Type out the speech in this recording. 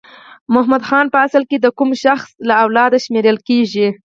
محمد خان په اصل کې د کوم شخص له اولاده شمیرل کیږي؟